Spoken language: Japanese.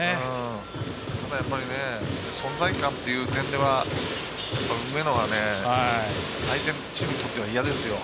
やっぱり存在感という点では梅野は、相手チームにとっては嫌ですよ。